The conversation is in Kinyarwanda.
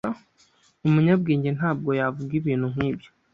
Umunyabwenge ntabwo yavuga ibintu nkibyo